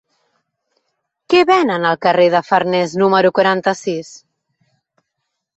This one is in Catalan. Què venen al carrer de Farnés número quaranta-sis?